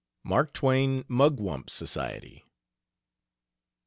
MARK TWAIN MUGWUMP SOCIETY.